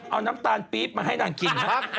เอาน้ำตาลปี๊บมาให้นางกินครับ